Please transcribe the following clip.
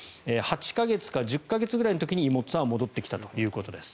８か月か１０か月ぐらいの時に妹さんは戻ってきたということです。